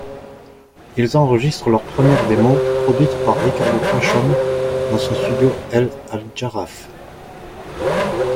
Ils enregistrent leur première démo, produite par Ricardo Pachón dans son studio El Aljarafe.